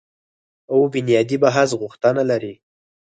او بنیادي بحث غوښتنه لري